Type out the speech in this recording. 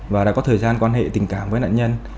và đã có thời gian quan hệ tình cảm với nạn nhân